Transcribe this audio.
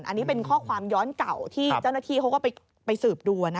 อันนี้เป็นข้อความย้อนเก่าที่เจ้าหน้าที่เขาก็ไปสืบดู